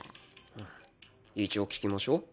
ん一応聞きましょう。